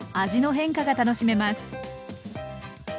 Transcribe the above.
味の変化が楽しめます。